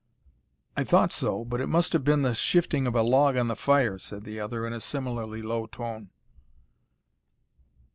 "I thought so but it must have been the shifting of a log on the fire," said the other, in a similarly low tone.